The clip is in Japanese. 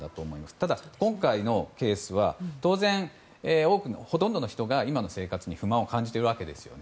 ただ、今回のケースは当然、ほとんどの人が今の生活に不満を感じているわけですよね。